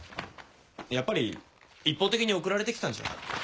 やっぱり一方的に送られて来たんじゃ。